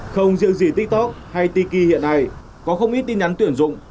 không riêng gì tiktok hay tiki hiện nay có không ít tin nhắn tuyển dụng